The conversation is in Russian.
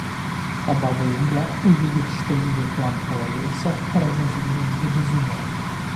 А баба-яга, увидев, что ее план провалился, разозлилась до безумия.